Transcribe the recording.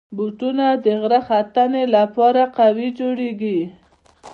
بوټونه د غره ختنې لپاره قوي جوړېږي.